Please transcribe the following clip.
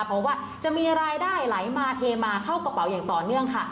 เพราะว่าจะมีรายได้ไหลมาเทมาเข้ากระเป๋าอย่างต่อเนื่องค่ะ